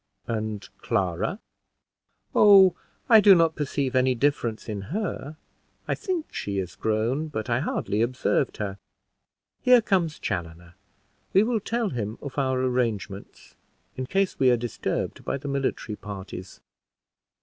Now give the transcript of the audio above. "And Clara?" "Oh, I do not perceive any difference in her: I think she is grown, but I hardly observed her. Here comes Chaloner; we will tell him of our arrangements in case we are disturbed by the military parties."